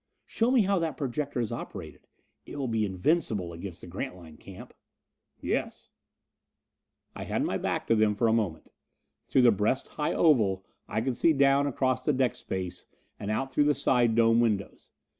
Show me how that projector is operated; it will be invincible against the Grantline camp." "Yes." I had my back to them for a moment. Through the breast high oval I could see down across the deck space and out through the side dome windows.